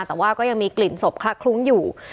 แต่ว่าก็ยังมีกลิ่นศพคละคลุ้งอยู่